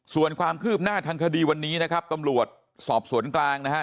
ส่วนความคืบหน้าทางคดีวันนี้นะครับตำรวจสอบสวนกลางนะฮะ